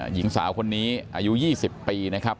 หญิงสาวคนนี้อายุ๒๐ปีนะครับ